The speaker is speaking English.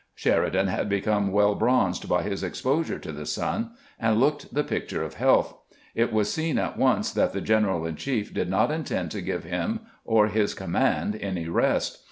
Sheridan had become well bronzed by his exposure to the sun, and looked the picture of health. It was seen at once that the general in chief did not in tend to give him or his command any rest.